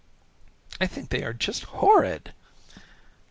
"I think they are just horrid."